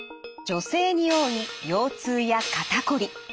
女性に多い腰痛や肩こり。